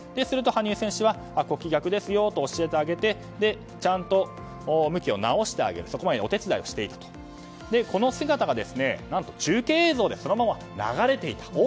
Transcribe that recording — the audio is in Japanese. すると羽生選手は国旗が逆ですよと教えてあげてちゃんと向きを直してあげるそのお手伝いをしてこの姿が何と中継映像でそのまま流れていた。